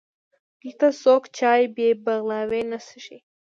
دلته څوک چای بې بغلاوې نه څښي.